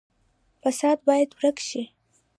فساد باید ورک شي